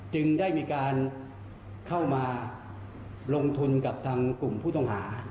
จึงได้มีการเข้ามาลงทุนกับทางกลุ่มผู้ต้องหา